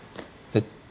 えっ？